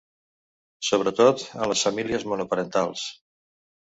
Sobretot, en les famílies monoparentals.